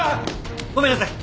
ごめんなさい。